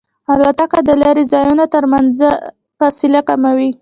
الوتکه د لرې ځایونو ترمنځ فاصله کموي.